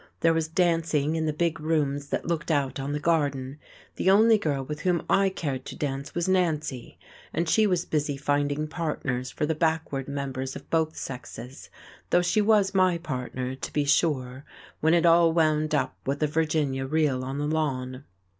There was dancing in the big rooms that looked out on the garden; the only girl with whom I cared to dance was Nancy, and she was busy finding partners for the backward members of both sexes; though she was my partner, to be sure, when it all wound up with a Virginia reel on the lawn.